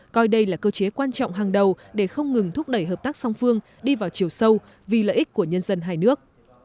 coi đây là cơ chế quan trọng hàng đầu để không ngừng thúc đẩy hợp tác song phương đi vào chiều sâu vì lợi ích của nhân dân hai nước